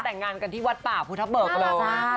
แต่งงานกันที่วัดป่าภูทะเบิกเลย